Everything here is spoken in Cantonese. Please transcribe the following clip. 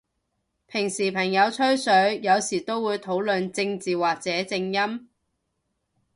平時朋友吹水，有時都會討論正字或者正音？